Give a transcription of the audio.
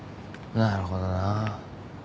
なるほどな。